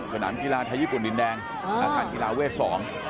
สถานกีฬาไทยญี่ปุ่นดินแดงอาศัยกีฬาเวทสอง